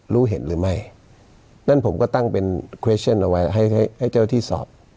รู้เห็นหรือไม่นั่นผมก็ตั้งเป็นเครชั่นเอาไว้ให้ให้เจ้าที่สอบ